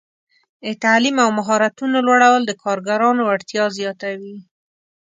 د تعلیم او مهارتونو لوړول د کارګرانو وړتیا زیاتوي.